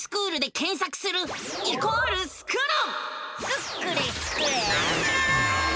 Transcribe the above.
スクれスクれスクるるる！